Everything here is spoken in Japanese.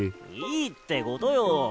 いいってことよ！